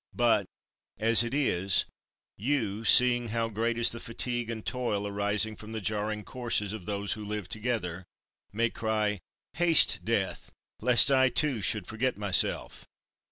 But, as it is, you, seeing how great is the fatigue and toil arising from the jarring courses of those who live together, may cry: "Haste, death! lest I, too, should forget myself."